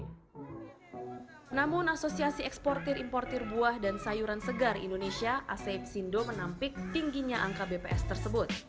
namun asosiasi eksportir importir buah dan sayuran segar indonesia asep sindo menampik tingginya angka bps tersebut